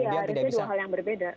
iya itu dua hal yang berbeda